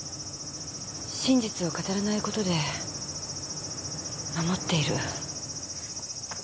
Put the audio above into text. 真実を語らない事で守っている。